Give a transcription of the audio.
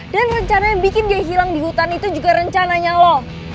dan rencana yang bikin dia hilang di hutan itu juga rencananya lo